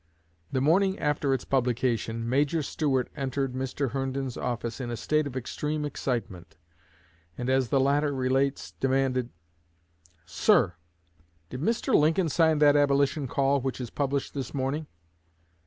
The morning after its publication, Major Stuart entered Mr. Herndon's office in a state of extreme excitement, and, as the latter relates, demanded: "'Sir, did Mr. Lincoln sign that Abolition call which is published this morning?'